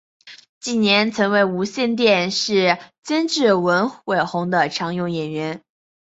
近年曾为无线电视监制文伟鸿的常用演员。